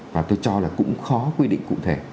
và tôi cho là cũng khó quy định cụ thể